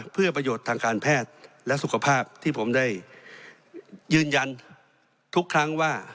เพื่อประโยชน์ทางการแพทย์และสุขภาพที่ผมได้ยืนยันทุกครั้งว่า